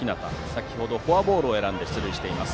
先程、フォアボールを選んで出塁しています。